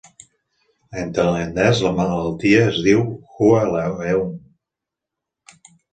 En tailandès, la malaltia es diu "Hua leung".